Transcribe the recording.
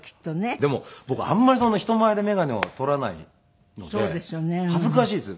でも僕あんまりそんな人前で眼鏡を取らないので恥ずかしいです。